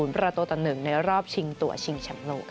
ประตูต่อ๑ในรอบชิงตัวชิงแชมป์โลก